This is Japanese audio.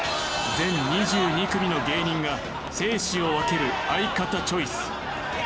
全２２組の芸人が生死を分ける相方チョイス